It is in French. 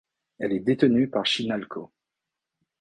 Elle est détenue par Chinalco.